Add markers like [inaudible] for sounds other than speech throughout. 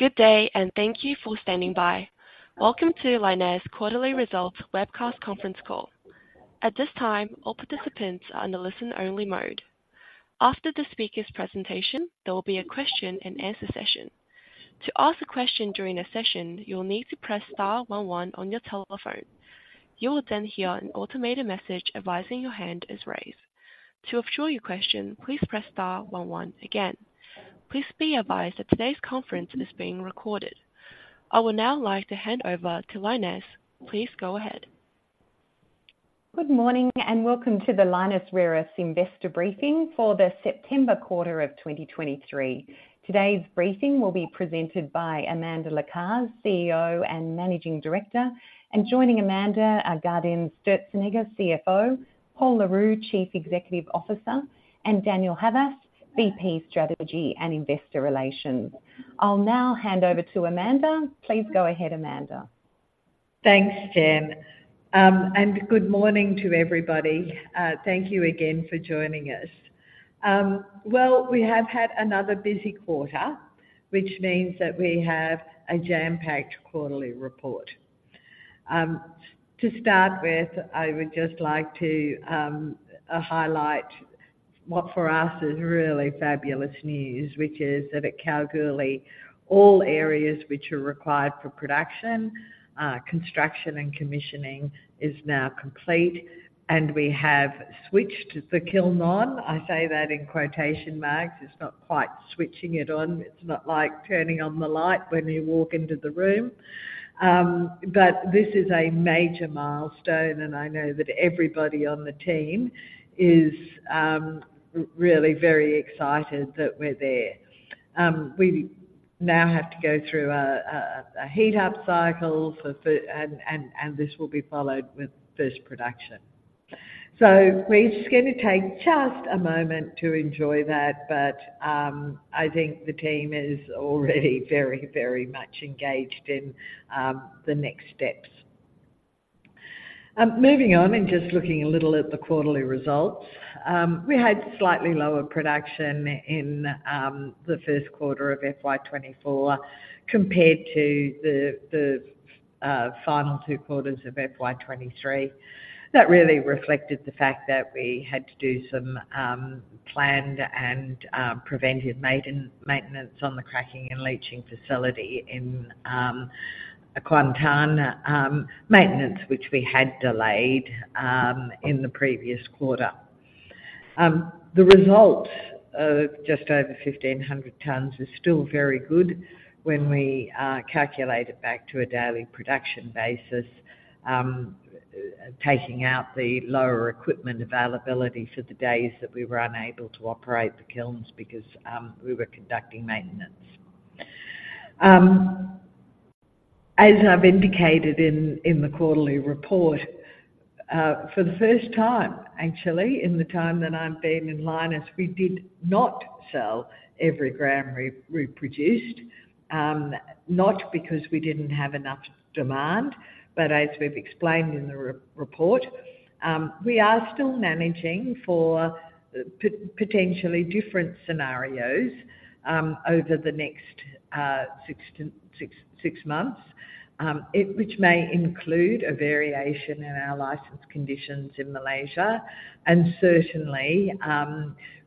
Good day, and thank you for standing by. Welcome to Lynas Quarterly Results Webcast Conference Call. At this time, all participants are in a listen-only mode. After the speaker's presentation, there will be a question-and-answer session. To ask a question during the session, you'll need to press star one, one on your telephone. You will then hear an automated message advising your hand is raised. To offshore your question, please press star one, one again. Please be advised that today's conference is being recorded. I would now like to hand over to Lynas. Please go ahead. Good morning, and Welcome to the Lynas Rare Earths Investor Briefing for the September Quarter of 2023. Today's briefing will be presented by Amanda Lacaze, CEO and Managing Director. Joining Amanda are Gaudenz Sturzenegger, CFO, Pol Le Roux, Chief Operating Officer, and Daniel Havas, VP, Strategy and Investor Relations. I'll now hand over to Amanda. Please go ahead, Amanda. Thanks, Jen. Good morning to everybody. Thank you again for joining us. Well, we have had another busy quarter, which means that we have a jam-packed quarterly report. To start with, I would just like to highlight what for us is really fabulous news, which is that at Kalgoorlie, all areas which are required for production, construction, and commissioning is now complete, and we have "switched the kiln on." It's not quite switching it on. It's not like turning on the light when you walk into the room. This is a major milestone, and I know that everybody on the team is really very excited that we're there. We now have to go through a heat-up cycle, and this will be followed with first production. We're just going to take just a moment to enjoy that, but I think the team is already very, very much engaged in the next steps. Moving on and just looking a little at the quarterly results. We had slightly lower production in the first quarter of FY 2024 compared to the final two quarters of FY 2023. That really reflected the fact that we had to do some planned and preventive maintenance on the cracking and leaching facility in Kuantan, maintenance which we had delayed in the previous quarter. The results of just over 1,500 t is still very good when we calculate it back to a daily production basis, taking out the lower equipment availability for the days that we were unable to operate the kilns because we were conducting maintenance. As I've indicated in the quarterly report, for the first time actually, in the time that I've been in Lynas, we did not sell every gram we produced. Not because we didn't have enough demand, but as we've explained in the report, we are still managing for potentially different scenarios over the next six months, which may include a variation in our license conditions in Malaysia, and certainly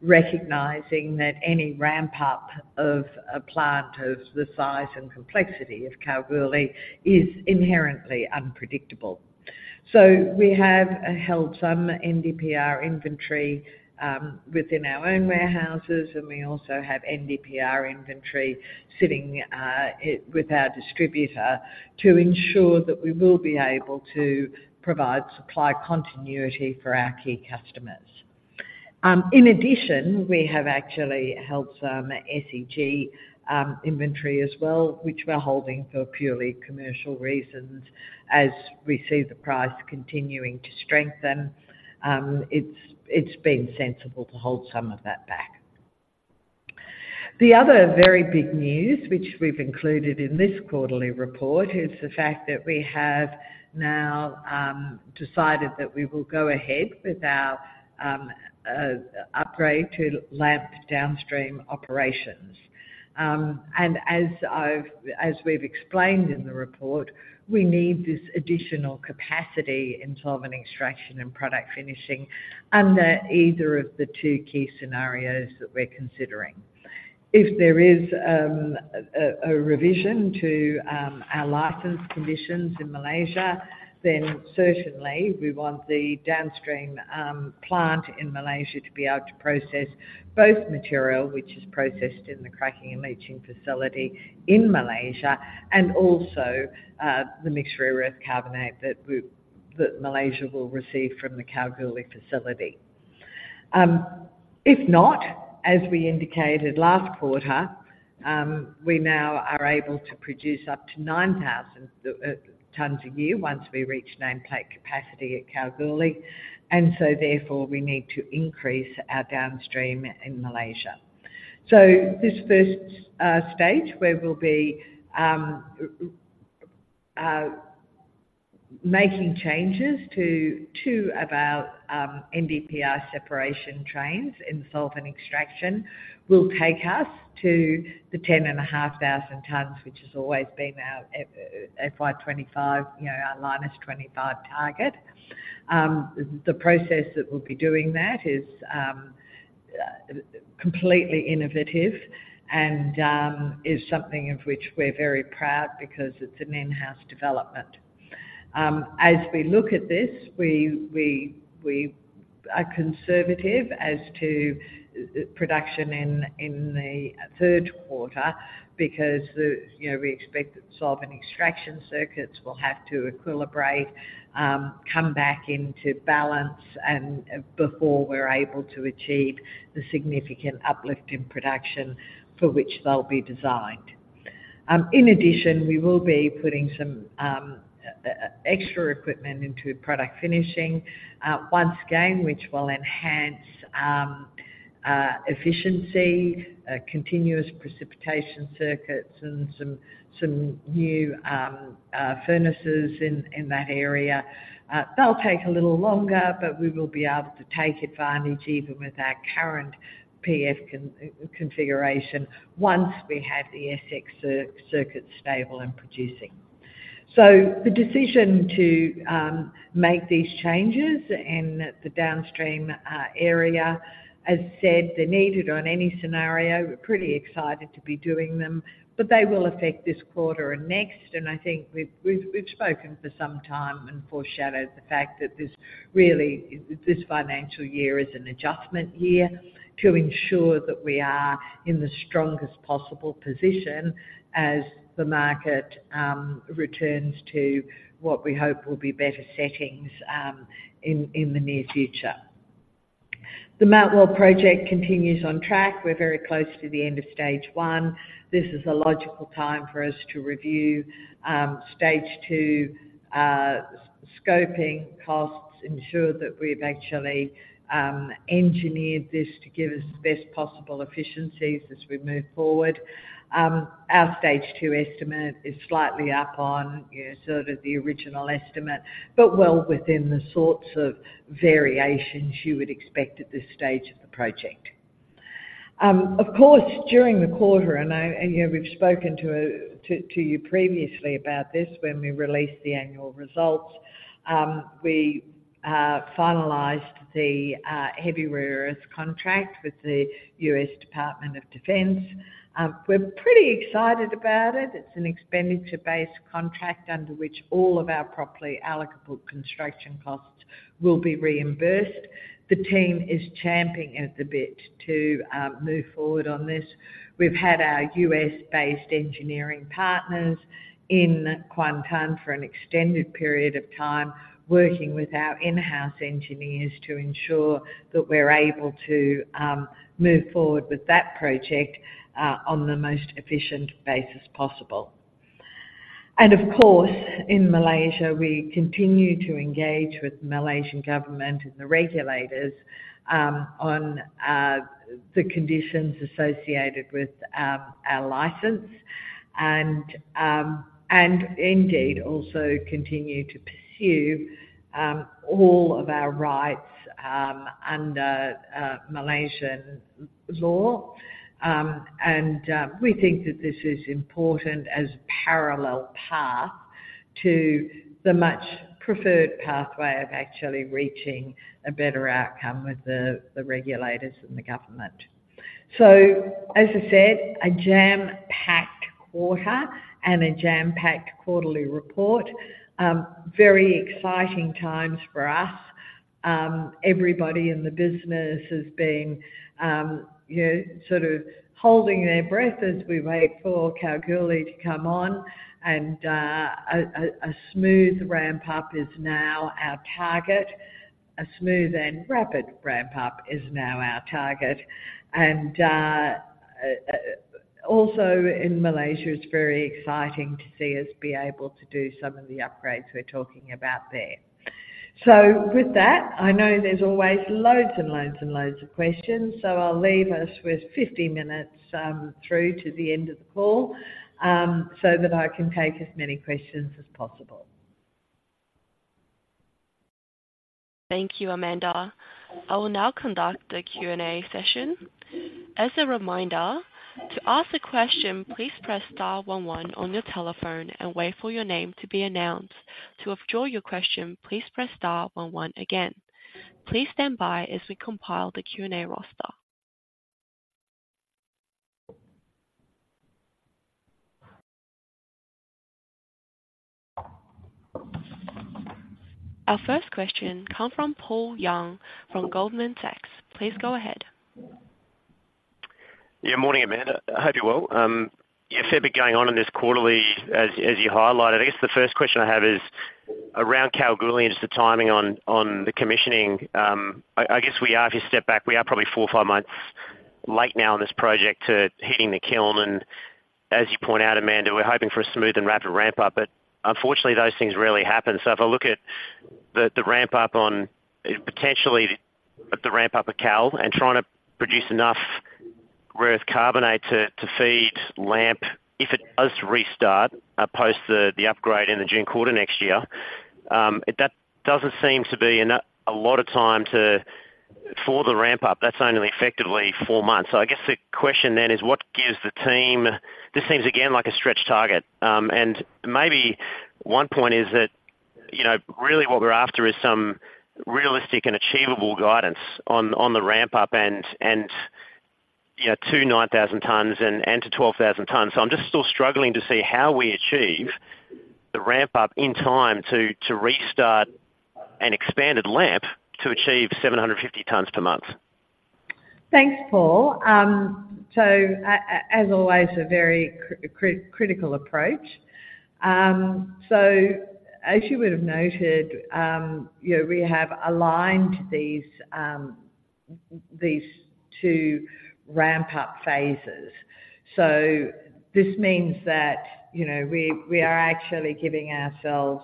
recognizing that any ramp-up of a plant of the size and complexity of Kalgoorlie is inherently unpredictable. We have held some NdPr inventory within our own warehouses, and we also have NdPr inventory sitting with our distributor to ensure that we will be able to provide supply continuity for our key customers. In addition, we have actually held some SEG inventory as well, which we're holding for purely commercial reasons. As we see the price continuing to strengthen, it's been sensible to hold some of that back. The other very big news which we've included in this quarterly report, is the fact that we have now decided that we will go ahead with our upgrade to LAMP downstream operations. As we've explained in the report, we need this additional capacity in solvent extraction and product finishing under either of the two key scenarios that we're considering. If there is a revision to our license conditions in Malaysia, then certainly we want the downstream plant in Malaysia to be able to process both material, which is processed in the cracking and leaching facility in Malaysia and also the mixed rare earth carbonate that Malaysia will receive from the Kalgoorlie facility. If not, as we indicated last quarter, we now are able to produce up to 9,000 t a year once we reach nameplate capacity at Kalgoorlie. Therefore, we need to increase our downstream in Malaysia. This first stage, where we'll be making changes to two of our NdPr separation trains in solvent extraction will take us to the 10,500 t, which has always been our FY 2025, you know, our Lynas 2025 target. The process that we'll be doing that is completely innovative and is something of which we're very proud, because it's an in-house development. As we look at this, we are conservative as to production in the third quarter because we expect that solvent extraction circuits will have to equilibrate, come back into balance, and before we're able to achieve the significant uplift in production for which they'll be designed. In addition, we will be putting some extra equipment into product finishing once again, which will enhance efficiency, continuous precipitation circuits, and some new furnaces in that area. They'll take a little longer, but we will be able to take advantage even with our current PF configuration once we have the SX circuits stable and producing. The decision to make these changes in the downstream area, as said, they're needed on any scenario. We're pretty excited to be doing them, but they will affect this quarter and next. I think we've spoken for some time and foreshadowed the fact that this financial year is an adjustment year, to ensure that we are in the strongest possible position as the market returns to what we hope will be better settings in the near future. The Mt Weld project continues on track. We're very close to the end of stage one. This is a logical time for us to review stage two scoping costs, ensure that we've actually engineered this to give us the best possible efficiencies as we move forward. Our stage two estimate is slightly up on, you know, sort of the original estimate, but well within the sorts of variations you would expect at this stage of the project. Of course, during the quarter, and you know, we've spoken to you previously about this when we released the annual results, we finalized the heavy rare earth contract with the U.S. Department of Defense. We're pretty excited about it. It's an expenditure-based contract under which all of our properly allocable construction costs will be reimbursed. The team is champing at the bit to move forward on this. We've had our U.S.-based engineering partners in Kuantan for an extended period of time, working with our in-house engineers to ensure that we're able to move forward with that project on the most efficient basis possible. Of course, in Malaysia, we continue to engage with the Malaysian government and the regulators on the conditions associated with our license and indeed, also continue to pursue all of our rights under Malaysian law. We think that this is important as a parallel path to the much preferred pathway of actually reaching a better outcome with the regulators and the government. As I said, a jam-packed quarter and a jam-packed quarterly report. Very exciting times for us. Everybody in the business has been, you know, sort of holding their breath as we wait for Kalgoorlie to come on, and a smooth ramp-up is now our target. A smooth and rapid ramp-up is now our target. Also in Malaysia, it's very exciting to see us be able to do some of the upgrades we're talking about there. With that, I know there's always loads and loads and loads of questions, so I'll leave us with 50 minutes through to the end of the call so that I can take as many questions as possible. Thank you, Amanda. I will now conduct the Q&A session. As a reminder, to ask a question, please press star one, one on your telephone and wait for your name to be announced. To withdraw your question, please press star one, one again. Please stand by as we compile the Q&A roster. Our first question comes from Paul Young from Goldman Sachs. Please go ahead. Yeah. Morning, Amanda. I hope you're well. You have a bit going on in this quarterly as you highlighted. I guess the first question I have is around Kalgoorlie, and just the timing on the commissioning. I guess if you step back, we are probably four to five months late now on this project to hitting the kiln. As you point out, Amanda, we're hoping for a smooth and rapid ramp-up, but unfortunately, those things rarely happen. If I look at potentially the ramp-up of Kal and trying to produce enough rare earth carbonate to feed LAMP, if it does restart post the upgrade in the June quarter next year, that doesn't seem to be a lot of time for the ramp-up. That's only effectively four months. I guess the question then is, this seems again like a stretch target and maybe one point is that, you know, really what we're after is some realistic and achievable guidance on the ramp-up and you know, to 9,000 t and to 12,000 t. I'm just still struggling to see how we achieve the ramp-up in time to restart an expanded LAMP to achieve 750 t per month. Thanks, Paul. As always, a very critical approach. As you would have noted, you know, we have aligned these two ramp-up phases. This means that, you know, we are actually giving ourselves,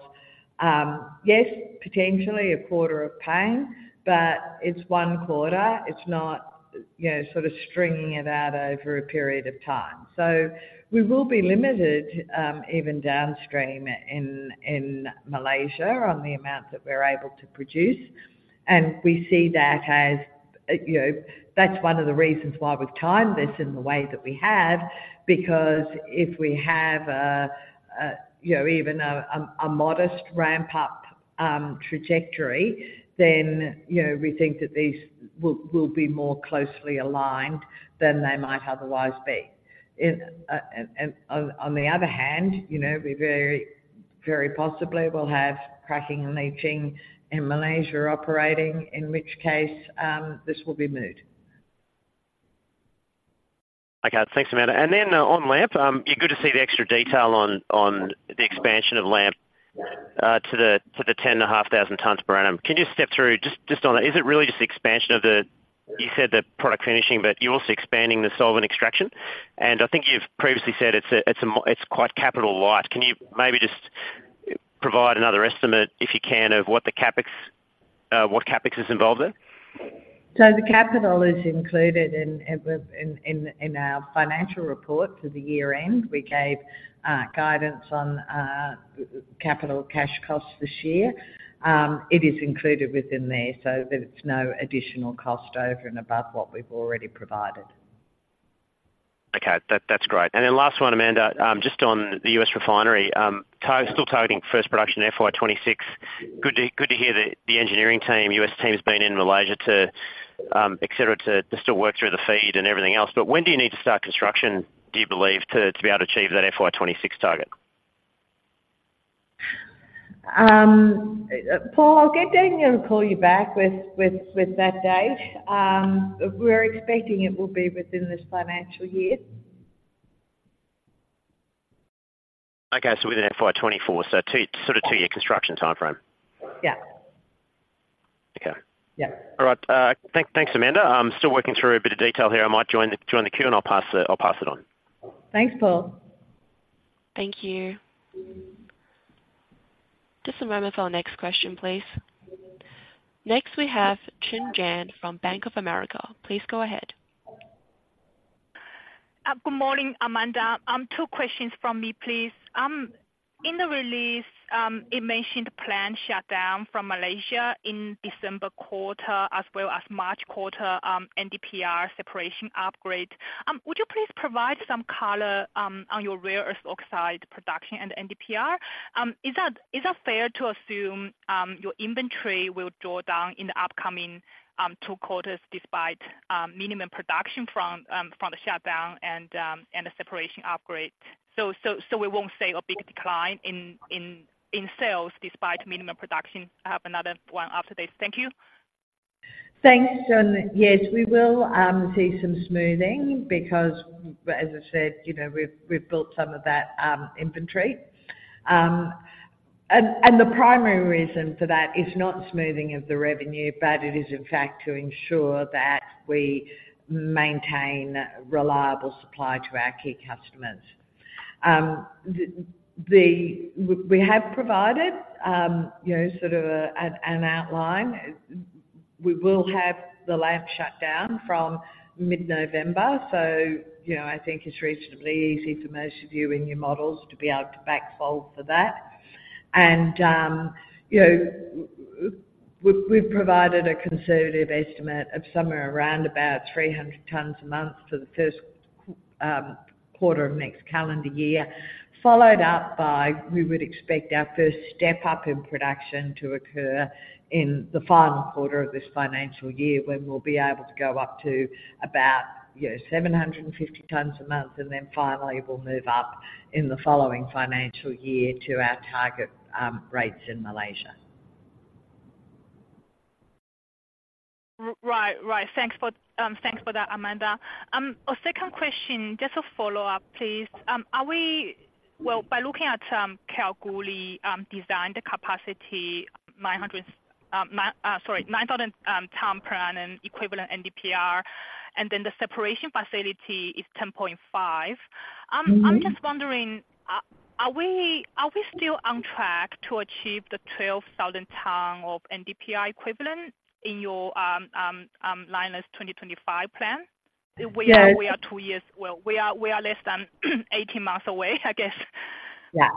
yes, potentially a quarter of pain, but it's one quarter. It's not, you know, sort of stringing it out over a period of time. We will be limited even downstream in Malaysia, on the amount that we're able to produce. We see that as, you know, that's one of the reasons why we've timed this in the way that we have, because if we have, you know, even a modest ramp-up trajectory, then you know, we think that these will be more closely aligned than they might otherwise be. On the other hand, you know, we very, very possibly will have cracking and leaching in Malaysia operating, in which case, this will be moot. Okay. Thanks, Amanda. On LAMP, you're good to see the extra detail on the expansion of LAMP to the 10,500 t per annum. Can you just step through just on that? Is it really just the expansion of the, you said the product finishing, but you're also expanding the solvent extraction? I think you've previously said it's quite capital-light. Can you maybe just provide another estimate, if you can, of what CapEx is involved in? The capital is included in our financial report for the year-end. We gave guidance on capital cash costs this year. It is included within there, so there's no additional cost over and above what we've already provided. Okay, that's great. Last one, Amanda, just on the U.S. refinery. Still targeting first production FY 2026. Good to hear that the engineering team, U.S. team, has been in Malaysia, etc, to still work through the feed and everything else. When do you need to start construction, do you believe, to be able to achieve that FY 2026 target? Paul, [audio distortion] to call you back with that date. We're expecting it will be within this financial year. Okay, so within FY 2024, sort of two-year construction timeframe? Yeah. Okay. Yeah. All right. Thanks, Amanda. I'm still working through a bit of detail here. I might join the queue, and I'll pass it on. Thanks, Paul. Thank you. Just a moment for our next question, please. Next, we have Chen Jiang from Bank of America. Please go ahead. Good morning, Amanda. Two questions from me, please. In the release, it mentioned planned shutdown from Malaysia in December quarter, as well as March quarter NdPr separation upgrade. Would you please provide some color on your rare earth oxide production and NdPr? Is that fair to assume your inventory will draw down in the upcoming two quarters, despite minimum production from the shutdown and the separation upgrade? We won't see a big decline in sales despite minimum production? I have another one after this. Thank you. Thanks, Chen. Yes, we will see some smoothing because as I said, you know, we've built some of that inventory. The primary reason for that is not smoothing of the revenue, but it is in fact, to ensure that we maintain reliable supply to our key customers. We have provided, you know, sort of an outline. We will have the LAMP shut down from mid-November. You know, I think it's reasonably easy for most of you in your models to be able to backfold for that. You know, we've provided a conservative estimate of somewhere around about 300 t a month for the first quarter of next calendar year, followed up by, we would expect our first step up in production to occur in the final quarter of this financial year, when we'll be able to go up to about, you know, 750 t a month. Then finally we'll move up in the following financial year to our target rates in Malaysia. Right. Thanks for that, Amanda. A second question, just a follow-up, please. By looking at Kalgoorlie design, the capacity, 9,000 t per annum equivalent NdPr, and then the separation facility is 10.5. I'm just wondering, are we still on track to achieve the 12,000 t of NdPr equivalent in your Lynas 2025 plan? Yes. We are less than 18 months away, I guess. Yeah.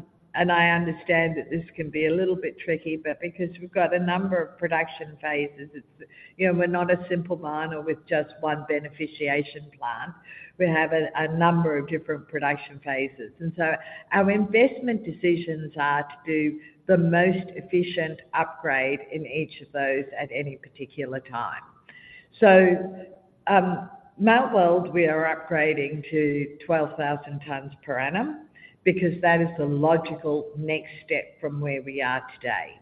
[audio distortion] I understand that this can be a little bit tricky, but because we've got a number of production phases, you know, we're not a simple miner with just one beneficiation plant. We have a number of different production phases, and so our investment decisions are to do the most efficient upgrade in each of those at any particular time. Mt Weld, we are upgrading to 12,000 t per annum because that is the logical next step from where we are today.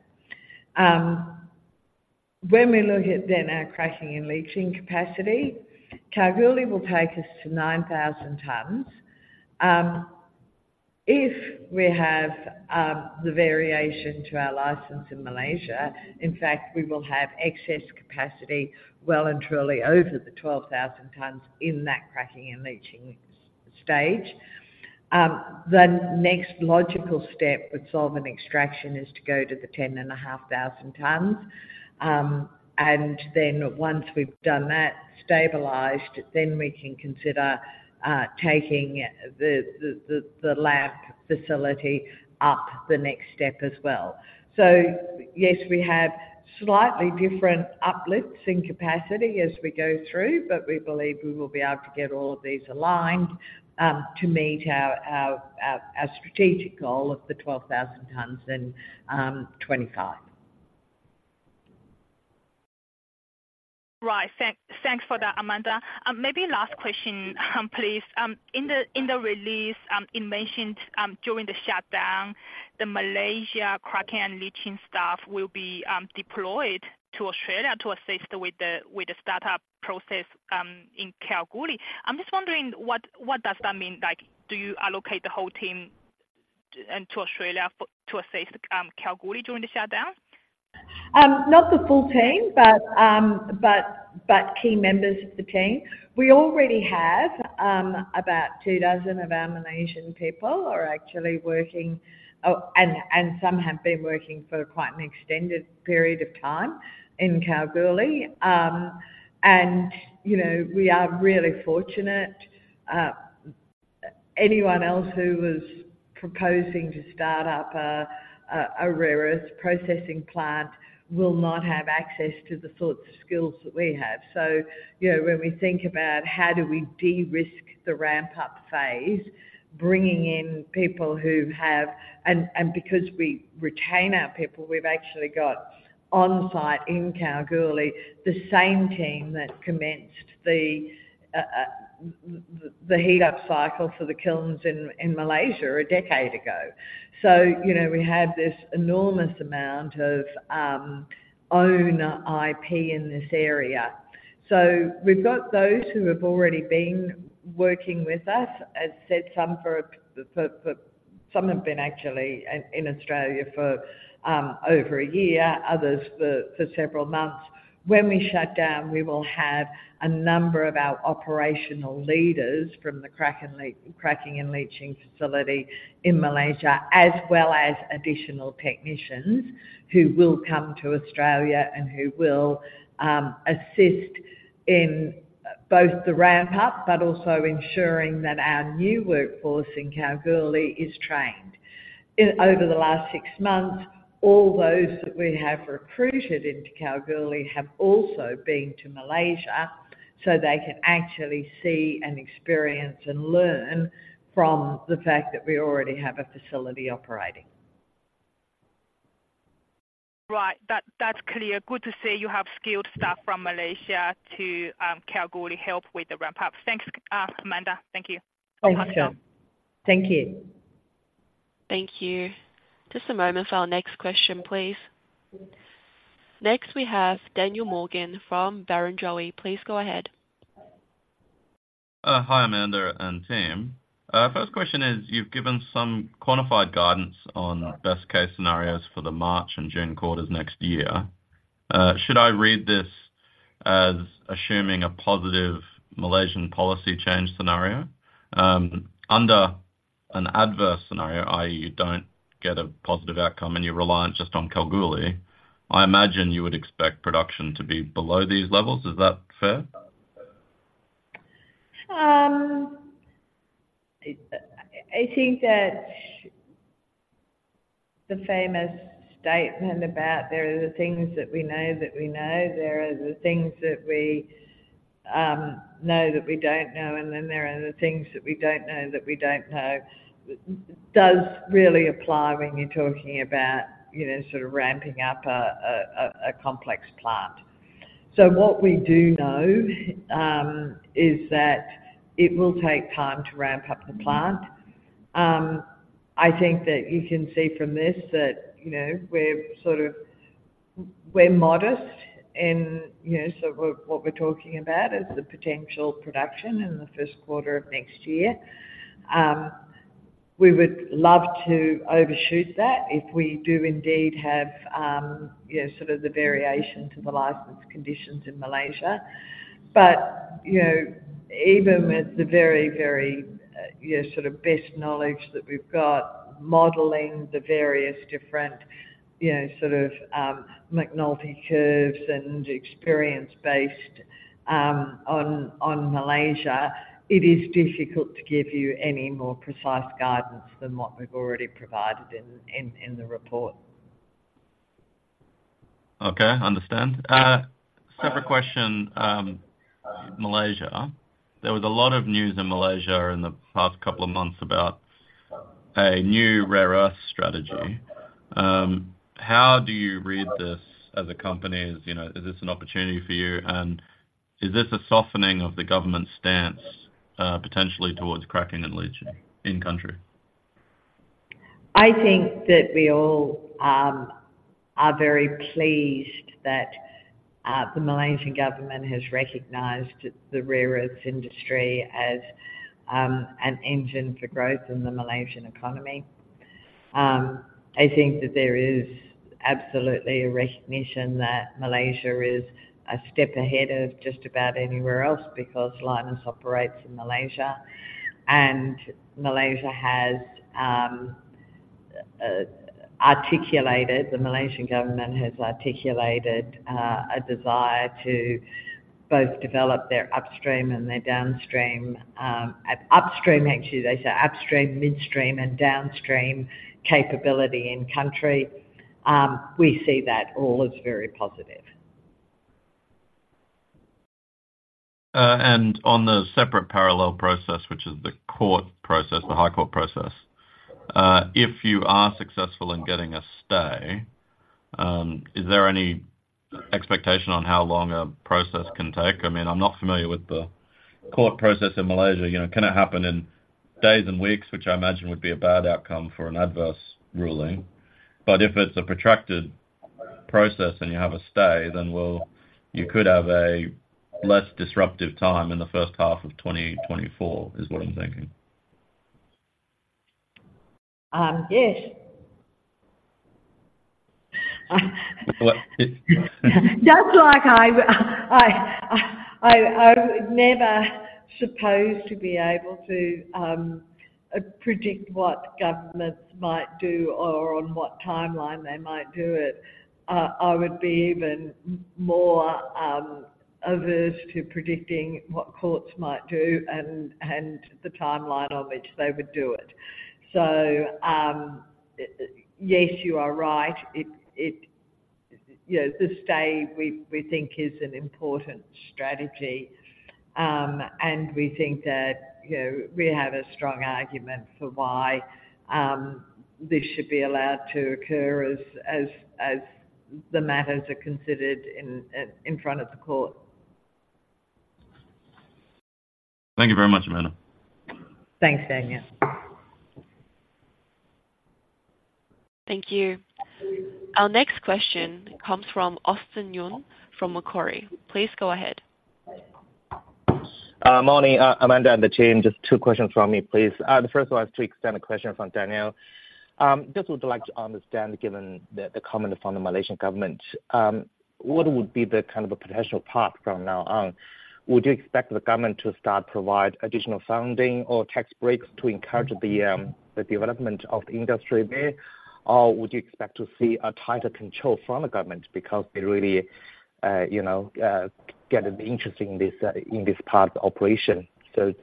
When we look at then, our cracking and leaching capacity, Kalgoorlie will take us to 9,000 t. If we have the variation to our license in Malaysia, in fact, we will have excess capacity well and truly over the 12,000 t in that cracking and leaching stage. The next logical step with solvent extraction is to go to the 10,500 t. Once we've done that, stabilized, then we can consider taking the LAMP facility up the next step as well. Yes, we have slightly different uplifts in capacity as we go through, but we believe we will be able to get all of these aligned to meet our strategic goal of the 12,000 t in 2025. Right. Thanks for that, Amanda. Maybe last question, please. In the release, it mentioned during the shutdown, the Malaysia cracking and leaching staff will be deployed to Australia, to assist with the startup process in Kalgoorlie. I'm just wondering, what does that mean? Like, do you allocate the whole team to Australia to assist Kalgoorlie during the shutdown? Not the full team, but key members of the team. We already have, about 2,000 of our Malaysian people are actually working, and some have been working for quite an extended period of time in Kalgoorlie. You know, we are really fortunate. Anyone else who was proposing to start up a rare earth processing plant will not have access to the sorts of skills that we have. When we think about, how do we de-risk the ramp-up phase, bringing in people and because we retain our people, we've actually got on-site in Kalgoorlie, the same team that commenced the heat-up cycle for the kilns in Malaysia a decade ago. You know, we have this enormous amount of own IP in this area. We've got those who have already been working with us, as said, some have been actually in Australia for over a year, others for several months. When we shut down, we will have a number of our operational leaders from the cracking and leaching facility in Malaysia, as well as additional technicians who will come to Australia and who will assist in both the ramp-up, but also ensuring that our new workforce in Kalgoorlie is trained. Over the last six months, all those that we have recruited into Kalgoorlie have also been to Malaysia, so they can actually see and experience and learn from the fact that we already have a facility operating. Right, that's clear. Good to see you have skilled staff from Malaysia to Kalgoorlie help with the ramp-up. Thanks, Amanda. Thank you. [audio distortion] Thank you. Thank you. Just a moment for our next question, please. Next, we have Daniel Morgan from Barrenjoey. Please go ahead. Hi, Amanda and team. First question is, you've given some quantified guidance on best-case scenarios for the March and June quarters next year. Should I read this as assuming a positive Malaysian policy change scenario? Under an adverse scenario, i.e., you don't get a positive outcome and you're reliant just on Kalgoorlie, I imagine you would expect production to be below these levels. Is that fair? I think that the famous statement about there are the things that we know that we know, there are the things that we know that we don't know, and then there are the things that we don't know that we don't know, does really apply when you're talking about, you know, sort of ramping up a complex plant. What we do know is that it will take time to ramp up the plant. I think that you can see from this that, you know, we're sort of modest in, you know, so what we're talking about, is the potential production in the first quarter of next year. We would love to overshoot that if we do indeed have, you know, sort of the variation to the license conditions in Malaysia. You know, even with the very, very, you know, sort of best knowledge that we've got, modeling the various different, you know, sort of McNulty curves and experience based on Malaysia, it is difficult to give you any more precise guidance than what we've already provided in the report. Okay, understand. Separate question, Malaysia, there was a lot of news in Malaysia in the past couple of months about a new rare earth strategy. How do you read this as a company? You know, is this an opportunity for you? Is this a softening of the government's stance potentially towards cracking and leaching in the country? I think that we all are very pleased that the Malaysian government has recognized the rare earths industry as an engine for growth in the Malaysian economy. I think that there is absolutely a recognition that Malaysia is a step ahead of just about anywhere else, because Lynas operates in Malaysia and the Malaysian government has articulated a desire to both develop their upstream and their downstream, at upstream actually, they say upstream, midstream, and downstream capability in country. We see that all as very positive. On the separate parallel process, which is the court process, the High Court process, if you are successful in getting a stay, is there any expectation on how long a process can take? I mean, I'm not familiar with the court process in Malaysia. You know, can it happen in days and weeks, which I imagine would be a bad outcome for an adverse ruling? If it's a protracted process and you have a stay, then well, you could have a less disruptive time in the first half of 2024, is what I'm thinking. Yes. Just like I would never suppose to be able to predict what governments might do or on what timeline they might do it, I would be even more averse to predicting what courts might do and the timeline on which they would do it. Yes, you are right. You know, the stay, we think is an important strategy, and we think that, you know, we have a strong argument for why this should be allowed to occur as the matters are considered in front of the court. Thank you very much, Amanda. Thanks, Daniel. Thank you. Our next question comes from Austin Yun from Macquarie. Please go ahead. Morning, Amanda and the team. Just two questions from me, please. The first one is to extend a question from Daniel. Just would like to understand, given the comment from the Malaysian government, what would be kind of a potential path from now on? Would you expect the government to start provide additional funding or tax breaks to encourage the development of the industry there? Or would you expect to see a tighter control from the government because they really, you know, get an interest in this part of the operation?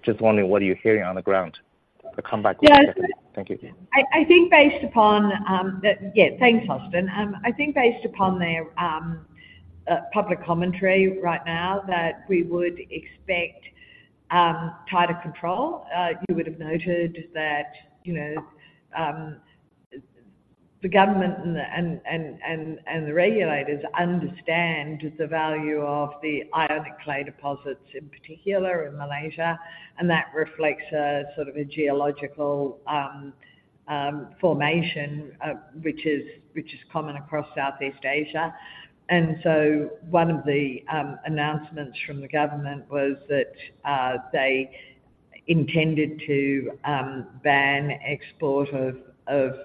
Just wondering, what are you hearing on the ground? Yeah. [audio distortion] Thank you. Yeah. Thanks, Austin. I think based upon their public commentary right now, that we would expect tighter control, you would have noted that, you know, the government and the regulators understand the value of the ionic clay deposits, in particular in Malaysia, and that reflects sort of a geological formation which is common across Southeast Asia. One of the announcements from the government was that they intended to ban export of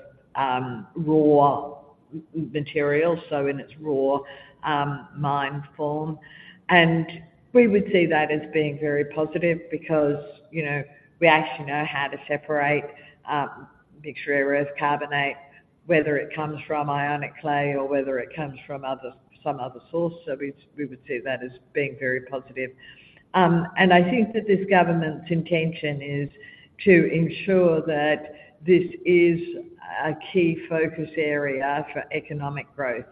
raw material, so in its raw mined form. We would see that as being very positive, because you know, we actually know how to separate mixed rare earth carbonate, whether it comes from ionic clay or whether it comes from some other source. We would see that as being very positive. I think that this government's intention is to ensure that this is a key focus area for economic growth.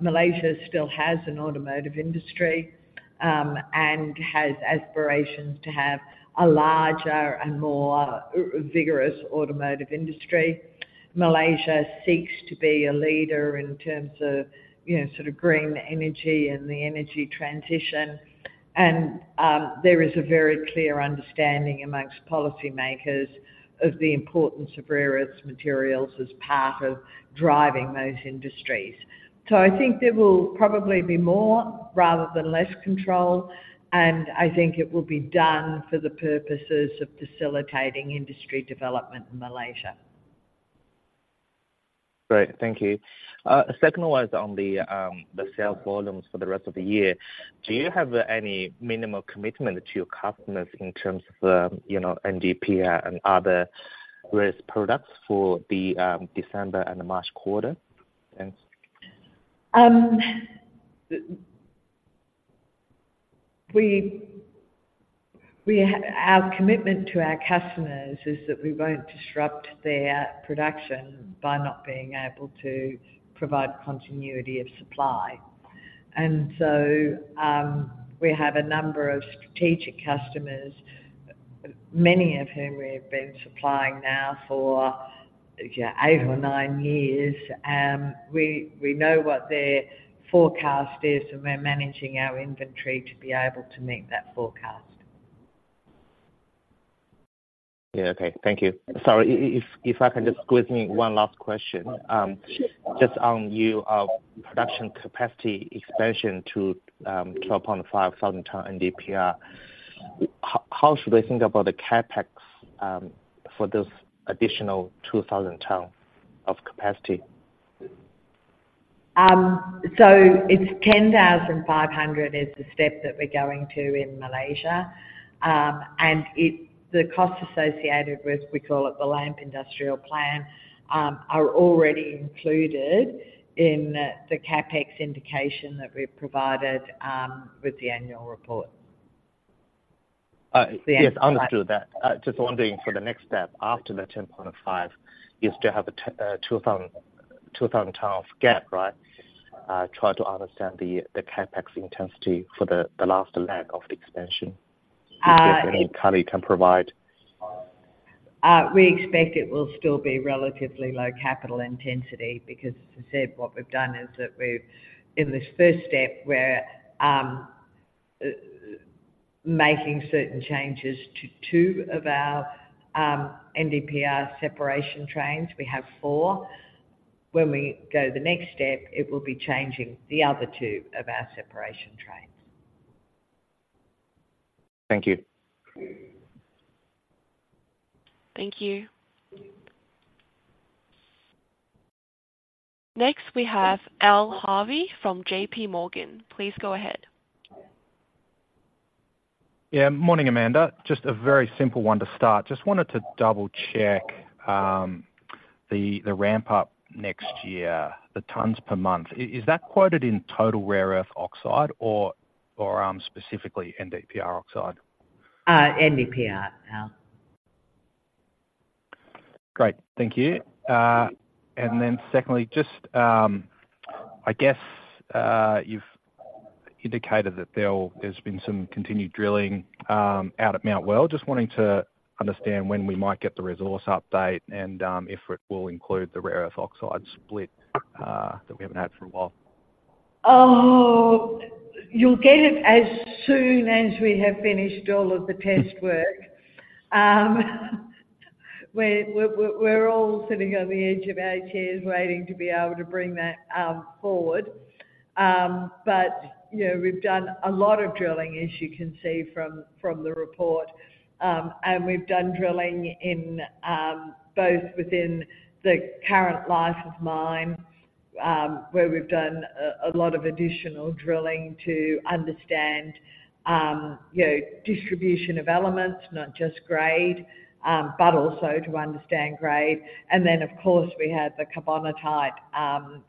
Malaysia still has an automotive industry, and has aspirations to have a larger and more vigorous automotive industry. Malaysia seeks to be a leader in terms of, you know, sort of green energy and the energy transition, and there is a very clear understanding amongst policymakers of the importance of rare earths materials as part of driving those industries. I think there will probably be more rather than less control, and I think it will be done for the purposes of facilitating industry development in Malaysia. Great. Thank you. Second one is on the sales volumes for the rest of the year. Do you have any minimal commitment to your customers in terms of, you know, NdPr and other various products for the December and the March quarter? Thanks. Our commitment to our customers is that we won't disrupt their production by not being able to provide continuity of supply. We have a number of strategic customers, many of whom we have been supplying now for, yeah, eight or nine years. We know what their forecast is, and we're managing our inventory to be able to meet that forecast. Yeah, okay. Thank you. Sorry, if I can just squeeze in one last question. Sure. Just on your production capacity expansion to 12,500 t NdPr, how should we think about the CapEx for this additional 2,000 t of capacity? 10,500 is the step that we're going to in Malaysia. The costs associated with, we call it the LAMP industrial plan, are already included in the CapEx indication that we provided with the annual report. [audio distortion] Yes, understood that. Just wondering for the next step, after the 10.5, you still have a 2,000 t of gap, right? Try to understand the CapEx intensity for the last leg of the expansion. If there's any clarity you can provide. We expect it will still be relatively low capital intensity because as I said, what we've done is that, in this first step, we're making certain changes to two of our NdPr separation trains. We have four. When we go the next step, it will be changing the other two of our separation trains. Thank you. Thank you. Next, we have Al Harvey from JPMorgan. Please go ahead. Yeah. Morning, Amanda. Just a very simple one to start. Just wanted to double check the ramp-up next year, the tons per month. Is that quoted in total rare earth oxide or specifically NdPr oxide? NdPr, Al. Great, thank you. Then secondly, just, I guess you've indicated that there has been some continued drilling out of Mt Weld. Just wanting to understand when we market the resource update, and if it will include the rare. [audio distortion] Oh, you'll get it as soon as we have finished all of the test work. We're all sitting on the edge of our chairs waiting to be able to bring that forward. You know, we've done a lot of drilling, as you can see from the report. We've done drilling both within the current Life of Mine, where we've done a lot of additional drilling to understand, you know, distribution of elements, it's not just grade, but also to understand grade. Of course, we have the carbonatite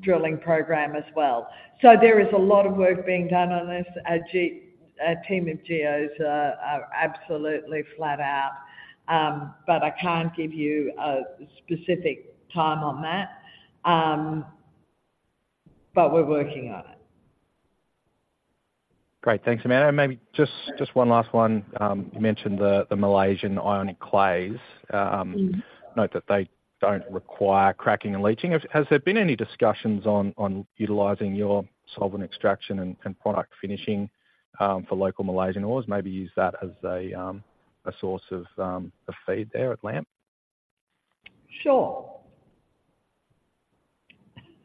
drilling program as well. There is a lot of work being done on this. Our team of geos are absolutely flat out, but I can't give you a specific time on that, but we're working on it. Great. Thanks, Amanda. Maybe just one last one. You mentioned the Malaysian ionic clays. Note that they don't require cracking and leaching. Has there been any discussions on utilizing your solvent extraction, and product finishing for local Malaysian ores? Maybe use that as a source of feed there at LAMP.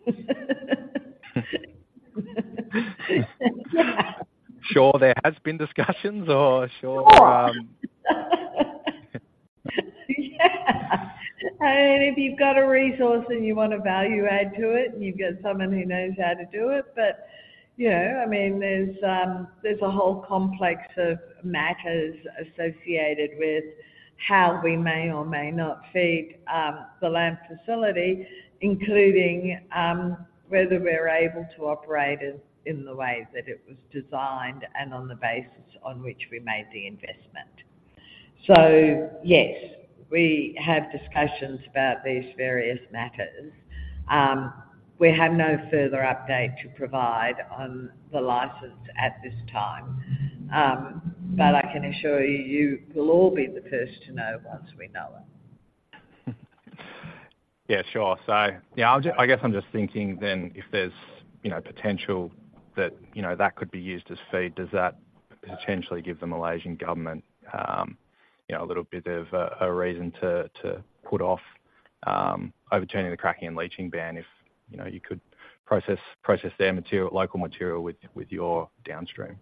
Sure. Sure, there has been discussions? Sure. Yeah. I mean, if you've got a resource and you want to value-add to it, you've got someone who knows how to do it. You know, I mean, there's a whole complex of matters associated with how we may or may not feed the LAMP facility, including whether we're able to operate it in the way that it was designed and on the basis on which we made the investment. Yes, we have discussions about these various matters. We have no further update to provide on the license at this time, but I can assure you, you will all be the first to know once we know it. Yeah, sure. I guess I'm just thinking then, if there's, you know, potential that, you know, that could be used as feed, does that potentially give the Malaysian government, you know, a little bit of a reason to put off overturning the cracking and leaching ban if, you know, you could process their local material with your downstream?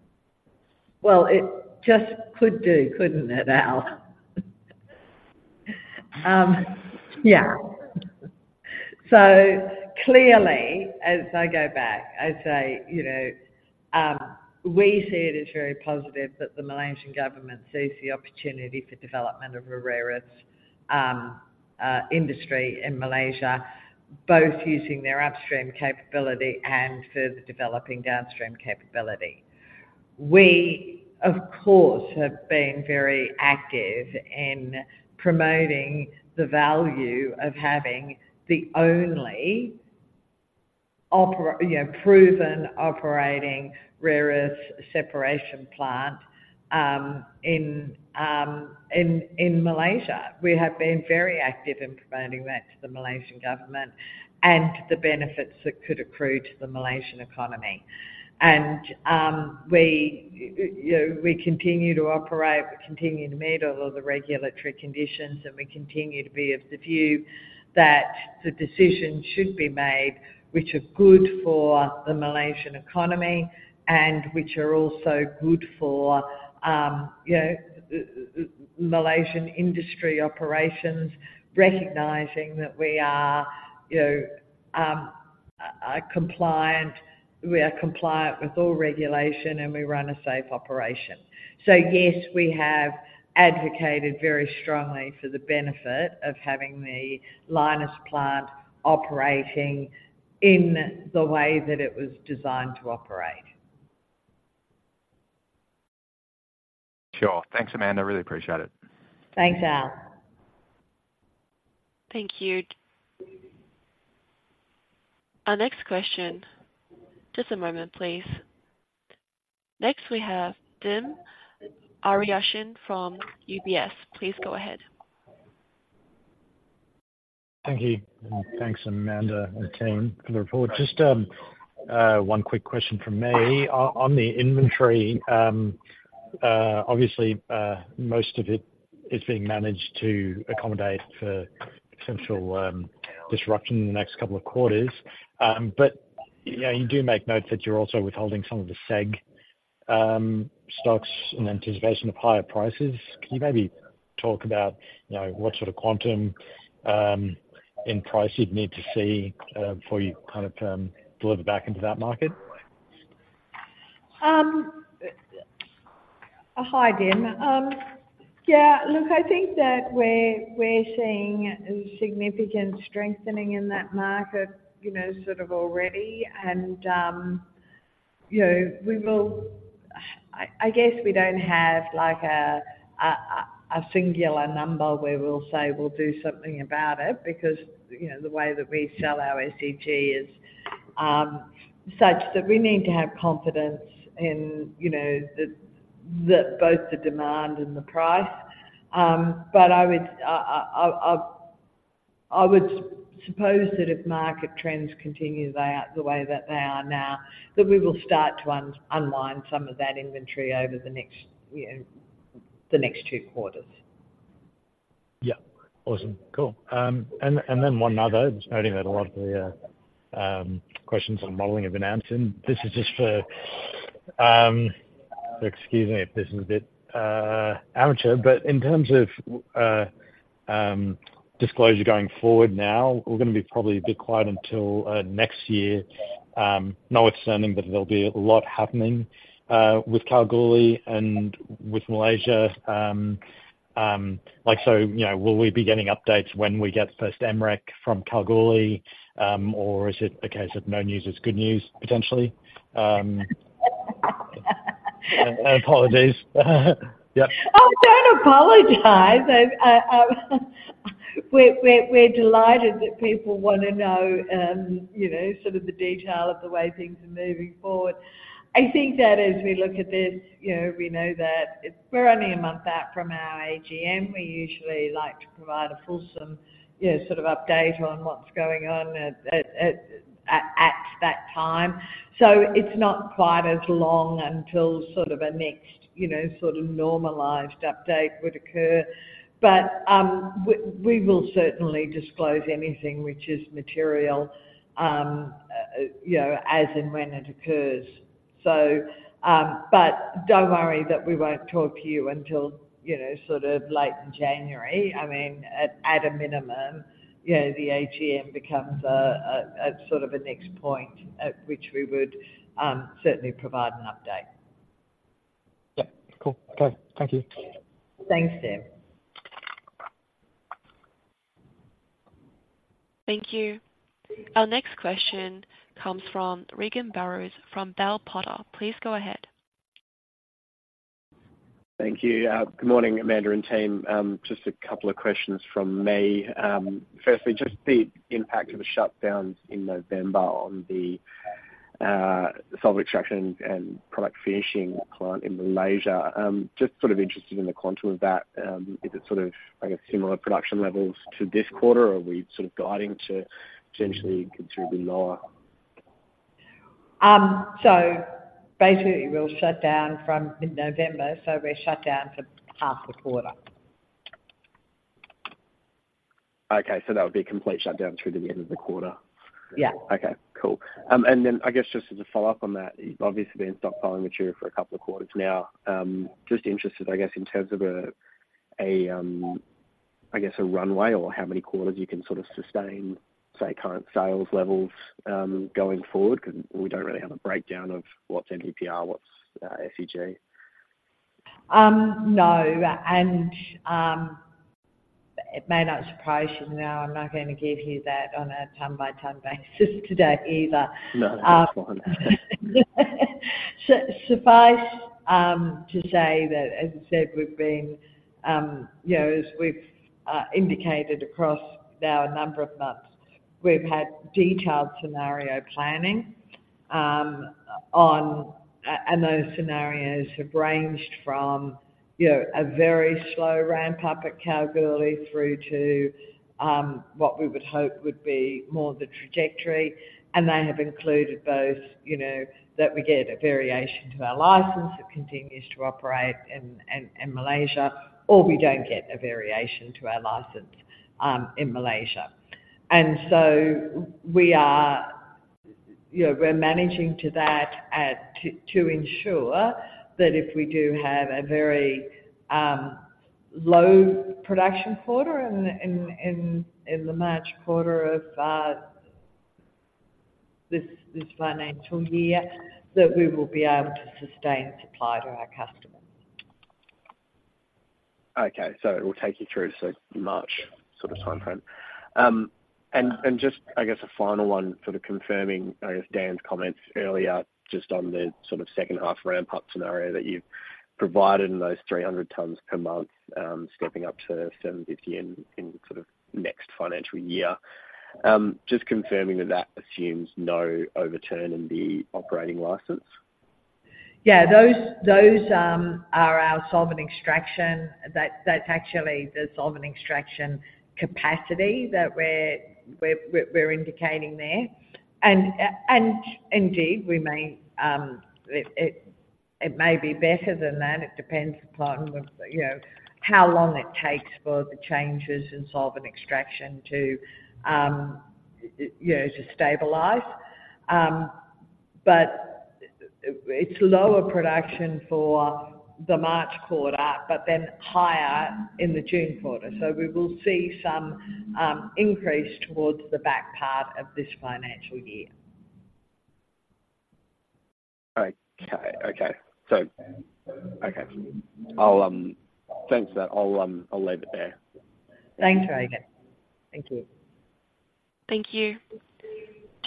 Well, it just could do, couldn't it, Al? Yeah. Clearly, as I go back, I'd say, you know, we see it as very positive that the Malaysian government sees the opportunity for development of a rare earths industry in Malaysia, both using their upstream capability and further developing downstream capability. We, of course, have been very active in promoting the value of having the only, you know, proven operating rare earths separation plant in Malaysia. We have been very active in promoting that to the Malaysian government, and the benefits that could accrue to the Malaysian economy. You know, we continue to operate, we continue to meet all of the regulatory conditions, and we continue to be of the view that the decisions should be made, which are good for the Malaysian economy and which are also good for, you know, Malaysian industry operations, recognizing that we are, you know, compliant with all regulation, and we run a safe operation. Yes, we have advocated very strongly for the benefit of having the Lynas plant operating in the way that it was designed to operate. Sure. Thanks, Amanda. I really appreciate it. Thanks, Al. Thank you. Our next question. Just a moment, please. Next, we have Dim Ariyasinghe from UBS. Please go ahead. Thank you. Thanks, Amanda and team for the report. Just one quick question from me. On the inventory, obviously, most of it is being managed to accommodate for potential disruption in the next couple of quarters. You know, you do make note that you're also withholding some of the SEG stocks in anticipation of higher prices. Can you maybe talk about, you know, what sort of quantum in price you'd need to see before you kind of deliver back into that market? Hi, Dim. Yeah, look, I think that we're seeing a significant strengthening in that market, you know, sort of already. You know, I guess we don't have a singular number where we'll say we'll do something about it, because, you know, the way that we sell our SEG is such that we need to have confidence in, you know, both the demand and the price. I would suppose that if market trends continue the way that they are now, that we will start to unwind some of that inventory over the next, you know, two quarters. Yeah. Awesome, cool. Then one other, just noting that a lot of the questions on modeling have been answered. Excuse me if this is a bit amateur, but in terms of disclosure going forward now, we're going to be probably a bit quiet until next year. Notwithstanding, but there'll be a lot happening with Kalgoorlie and with Malaysia. Like, so you know, will we be getting updates when we get the first MREC from Kalgoorlie? Or is it a case of no news is good news, potentially? Apologies, yeah. Oh, don't apologize. We're delighted that people want to know, you know, sort of the detail of the way things are moving forward. I think that as we look at this, you know, we know that we're only a month out from our AGM. We usually like to provide a fulsome, you know, sort of update on what's going on at that time. It's not quite as long until sort of a next, you know, sort of normalized update would occur. We will certainly disclose anything which is material, you know, as and when it occurs. Don't worry that we won't talk to you until, you know, sort of late January. I mean, at a minimum, you know, the AGM becomes a sort of a next point at which we would certainly provide an update. Yep, cool. Okay, thank you. Thanks, Dim. Thank you. Our next question comes from Regan Burrows from Bell Potter. Please go ahead. Thank you. Good morning, Amanda and team. Just a couple of questions from me. Firstly, just the impact of the shutdowns in November on the solvent extraction and product finishing plant in Malaysia. Just sort of interested in the quantum of that. Is it sort of, I guess, similar production levels to this quarter, or are we sort of guiding to potentially considerably lower? Basically, we're shut down from mid-November, so we're shut down for half the quarter. Okay, so that would be a complete shutdown through to the end of the quarter? Yeah. Okay, cool. I guess just as a follow-up on that, you've obviously been stockpiling material for a couple of quarters now. Just interested, I guess, in terms of a runway or how many quarters you can sort of sustain, say, current sales levels going forward, because we don't really have a breakdown of what's NdPr, what's SEG? No, and it may not surprise you. No, it may not surprise you that no, I'm not going to give you that on a ton-by-ton basis today either. No, that's fine. Suffice to say that, as I said, you know, as we've indicated across now a number of months, we've had detailed scenario planning. Those scenarios have ranged from, you know, a very slow ramp up at Kalgoorlie, through to what we would hope would be more the trajectory. They have included both, you know, that we get a variation to our license that continues to operate in Malaysia, or we don't get a variation to our license in Malaysia. You know, we're managing to that, to ensure that if we do have a very low production quarter in the March quarter of this financial year, that we will be able to sustain supply to our customers. Okay. It will take you through to March sort of time frame. Just I guess a final one sort of confirming, I guess, Dan's comments earlier, just on the sort of second half ramp-up scenario that you've provided in those 300 t per month, stepping up to 750 in sort of next financial year. Just confirming that that assumes no overturn in the operating license? Yeah, those are our solvent extraction. That's actually the solvent extraction capacity that we're indicating there. Indeed, it may be better than that. It depends upon, you know, how long it takes for the changes in solvent extraction to, you know, stabilize. It's lower production for the March quarter, but then higher in the June quarter. We will see some increase towards the back part of this financial year. Okay. Thanks for that. I'll leave it there. Thanks, Regan. Thank you. Thank you.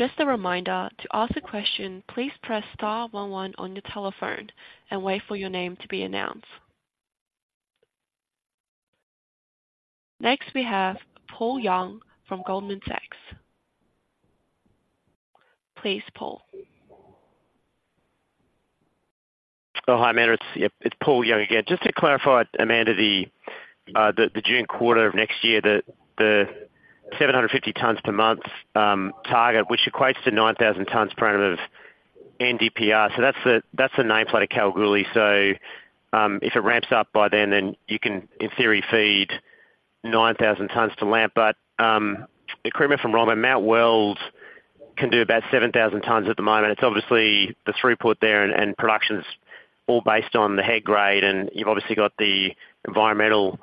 Just a reminder, to ask a question, please press star one, one on your telephone and wait for your name to be announced. Next, we have Paul Young from Goldman Sachs. Please, Paul. Oh, hi, Amanda.Yep, it's Paul Young again. Just to clarify, Amanda, the June quarter of next year, the 750 t per month target, which equates to 9,000 t per annum of NdPr. That's the nameplate of Kalgoorlie. If it ramps up by then, then you can, in theory, feed 9,000 t to LAMP. Correct me if I'm wrong, but Mt Weld can do about 7,000 t at the moment. It's obviously, the throughput there and production's all based on the head grade, and you've obviously got the environmental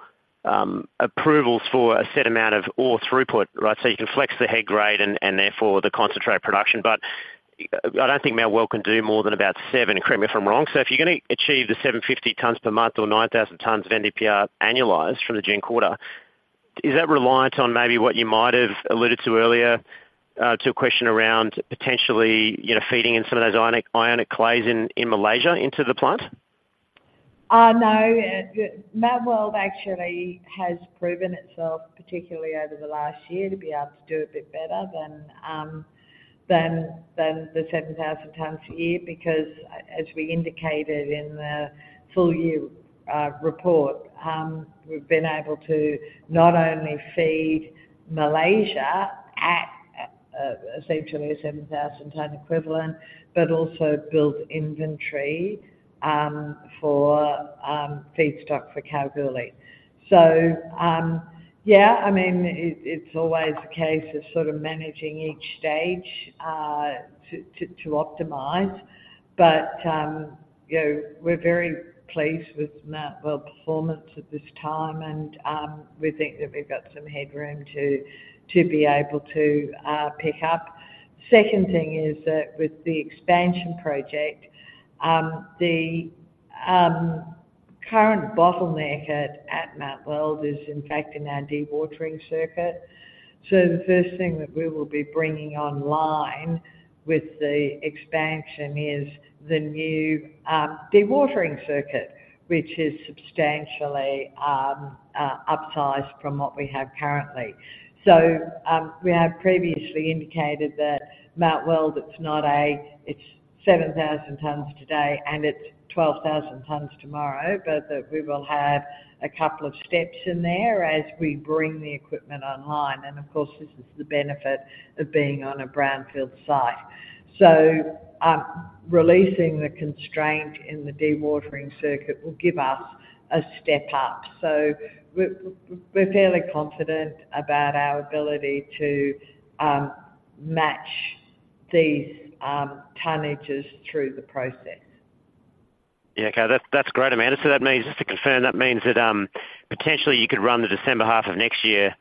approvals for a set amount of ore throughput, right? You can flex the head grade and therefore the concentrate production. I don't think Mt Weld can do more than about seven, and correct me if I'm wrong. If you're going to achieve the 750 t per month or 9,000 t of NdPr annualized from the June quarter, is that reliant on maybe what you might have alluded to earlier to a question around potentially, you know, feeding in some of those ionic clays in Malaysia into the plant? No. Mt Weld actually has proven itself, particularly over the last year, to be able to do a bit better than 7,000 t a year. Because as we indicated in the full year report, we've been able to not only feed Malaysia at essentially a 7,000 t equivalent, but also build inventory for feedstock for Kalgoorlie. Yeah, I mean, it's always a case of sort of managing each stage to optimize. You know, we're very pleased with Mt Weld performance at this time, and we think that we've got some headroom to be able to pick up. Second thing is that with the expansion project, the current bottleneck at Mt Weld is in fact in our dewatering circuit. The first thing that we will be bringing online with the expansion is the new dewatering circuit, which is substantially upsized from what we have currently. We have previously indicated that Mt Weld, it's 7,000 t today and it's 12,000 t tomorrow, but that we will have a couple of steps in there as we bring the equipment online. Of course, this is the benefit of being on a brownfield site. Releasing the constraint in the dewatering circuit will give us a step up. We're fairly confident about our ability to match these tonnages through the process. Yeah, okay. That's great, Amanda. Just to confirm, that means that potentially you could run the December half of next year,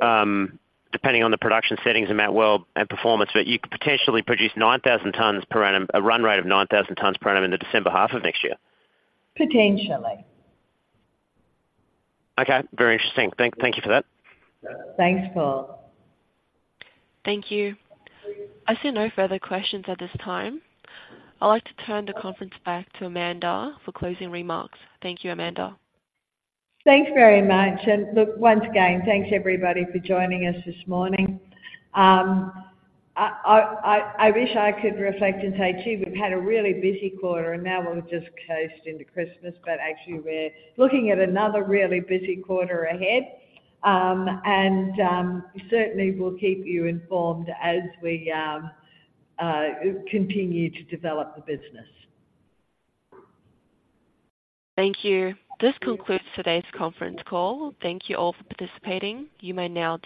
depending on the production settings in Mt Weld and performance, but you could potentially produce 9,000 t per annum, a run rate of 9,000 t per annum in the December half of next year? Potentially. Okay, very interesting. Thank you for that. Thanks, Paul. Thank you. I see no further questions at this time. I'd like to turn the conference back to Amanda for closing remarks. Thank you, Amanda. Thanks very much. Look, once again, thanks, everybody, for joining us this morning. I wish I could reflect and say, gee, we've had a really busy quarter and now we'll just coast into Christmas, but actually we're looking at another really busy quarter ahead. Certainly, we'll keep you informed as we continue to develop the business. Thank you. This concludes today's conference call. Thank you all for participating.